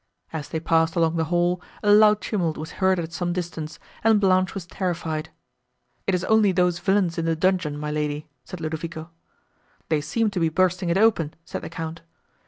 As they passed along the hall, a loud tumult was heard at some distance, and Blanche was terrified. "It is only those villains in the dungeon, my Lady," said Ludovico. "They seem to be bursting it open," said the Count.